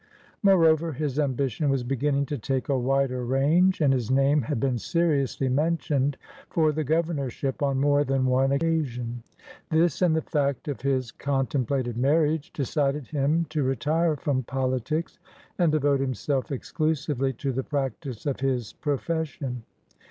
Moreover, his ambition was beginning to take a wider range, and his name had been seriously mentioned for the governorship on more than one occasion. This and the fact of his contem plated marriage decided him to retire from poli tics and devote himself exclusively to the prac tice of his profession.